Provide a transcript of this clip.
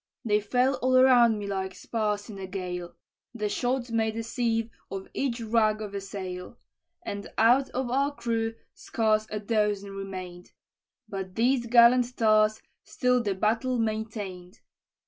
"They fell all around me like spars in a gale; The shot made a sieve of each rag of a sail; And out of our crew scarce a dozen remain'd; But these gallant tars still the battle maintain'd.